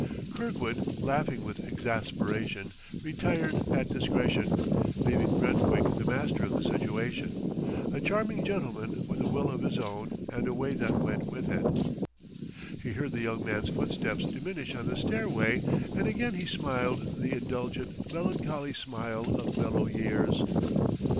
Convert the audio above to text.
Kirkwood, laughing with exasperation, retired at discretion, leaving Brentwick the master of the situation: a charming gentleman with a will of his own and a way that went with it. He heard the young man's footsteps diminish on the stairway; and again he smiled the indulgent, melancholy smile of mellow years.